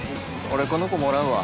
俺、この子、もらうわ。